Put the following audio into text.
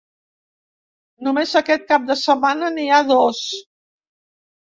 Només aquest cap de setmana n’hi ha dos.